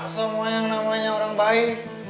semua yang namanya orang baik